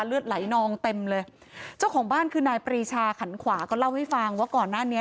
เลือดไหลนองเต็มเลยเจ้าของบ้านคือนายปรีชาขันขวาก็เล่าให้ฟังว่าก่อนหน้านี้